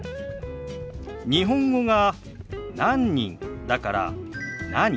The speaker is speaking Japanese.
日本語が「何人」だから「何？」